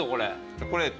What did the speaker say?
チョコレート？